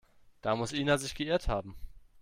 Da muss Ina sich geirrt haben.